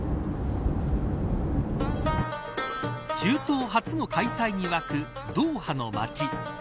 中東初の開催に沸くドーハの街。